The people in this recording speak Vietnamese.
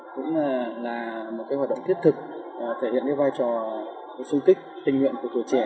cũng là một hoạt động thiết thực thể hiện vai trò sung kích tình nguyện của tuổi trẻ